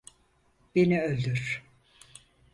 Beni öldür.